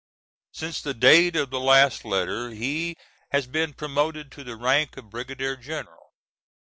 Since the date of the last letter he has been promoted to the rank of brigadier general.